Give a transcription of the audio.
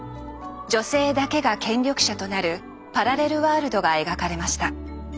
女性だけが権力者となるパラレルワールドが描かれました。